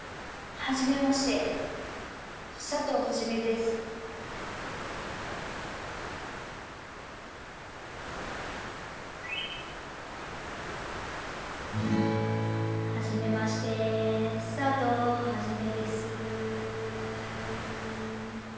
「はじめまして佐藤はじめです」